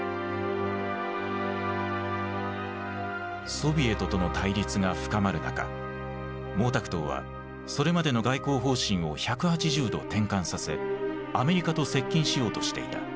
ソビエトとの対立が深まる中毛沢東はそれまでの外交方針を１８０度転換させアメリカと接近しようとしていた。